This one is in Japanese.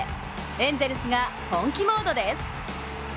エンゼルスが本気モードです。